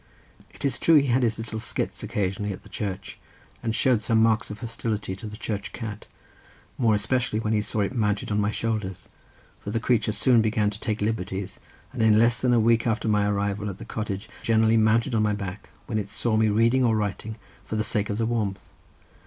It is true, he had his little skits occasionally at the Church, and showed some marks of hostility to the church cat, more especially when he saw it mounted on my shoulders; for the creature soon began to take liberties, and in less than a week after my arrival at the cottage, generally mounted on my back, when it saw me reading or writing, for the sake of the warmth.